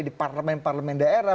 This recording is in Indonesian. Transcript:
di parlemen parlemen daerah